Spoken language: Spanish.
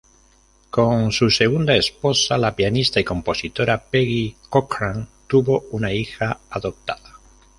Con su segunda esposa, la pianista y compositora Peggy Cochrane, tuvo una hija adoptada.